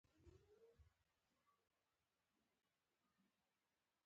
په هر ګام کې ستونزې لري.